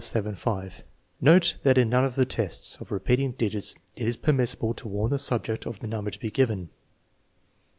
XIV, ALTERNATIVE 323 of the tests of repeating digits is it permissible to warn the subject of the number to be given.